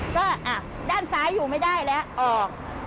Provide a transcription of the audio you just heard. ก็ด้านซ้ายอยู่ไม่ได้แล้วออก